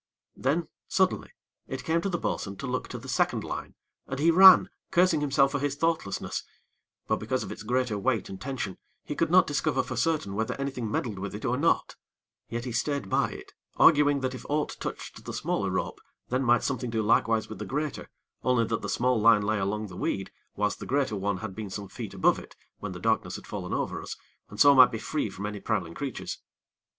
Then, suddenly, it came to the bo'sun to look to the second line, and he ran, cursing himself for his thoughtlessness; but because of its greater weight and tension, he could not discover for certain whether anything meddled with it or not; yet he stayed by it, arguing that if aught touched the smaller rope then might something do likewise with the greater, only that the small line lay along the weed, whilst the greater one had been some feet above it when the darkness had fallen over us, and so might be free from any prowling creatures.